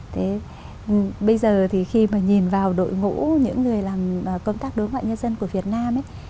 thế bây giờ thì khi mà nhìn vào đội ngũ những người làm công tác đối ngoại nhân dân của việt nam ấy